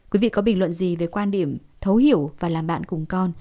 quý vị có bình luận gì về quan điểm thấu hiểu và làm bạn cùng con